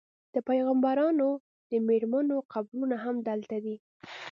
د پیغمبرانو د میرمنو قبرونه هم دلته دي.